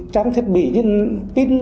trang thiết bị như pin